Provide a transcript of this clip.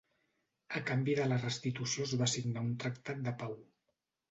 A canvi de la restitució es va signar un tractat de pau.